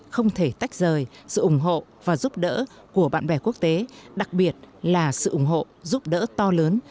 không thể tách rời sự ủng hộ và giúp đỡ của bạn bè quốc tế đặc biệt là sự ủng hộ giúp đỡ to lớn